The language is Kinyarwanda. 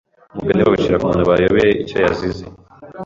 umugani bacira ku muntu bayobewe icyo yazize